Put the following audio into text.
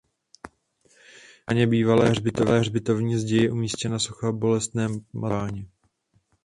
Na bráně bývalé hřbitovní zdi je umístěna socha Bolestné Matky Páně.